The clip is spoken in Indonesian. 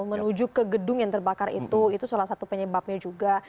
menuju ke gedung yang terbakar itu itu salah satu penyebabnya juga